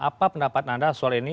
apa pendapat anda soal ini